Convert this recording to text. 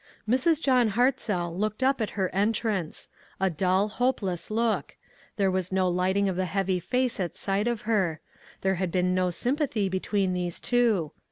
Mrs. John Hartzell looked up at her en trance ; a dull, hopeless look ; there was no lighting of the heavy face at sight of her; there had been no sympathy between these two.